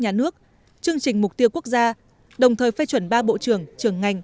nhà nước chương trình mục tiêu quốc gia đồng thời phê chuẩn ba bộ trưởng trưởng ngành